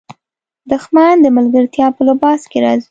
دښمن د ملګرتیا په لباس کې راځي